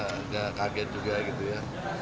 tidak kaget juga gitu ya